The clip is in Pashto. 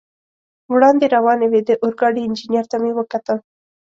وړاندې روانې وې، د اورګاډي انجنیر ته مې وکتل.